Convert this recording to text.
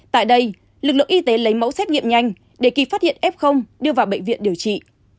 tại đây lực lượng y tế lấy mẫu xét nghiệm nhanh để khi phát hiện f đưa vào bệnh viện điều trị